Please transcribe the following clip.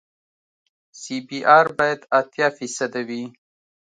سی بي ار باید اتیا فیصده وي